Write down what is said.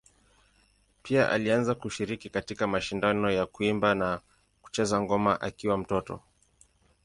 Pia alianza kushiriki katika mashindano ya kuimba na kucheza ngoma akiwa mtoto.